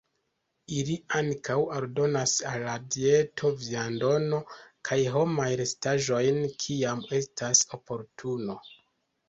Ili ankaŭ aldonas al la dieto viandon kaj homaj restaĵojn kiam estas oportuno.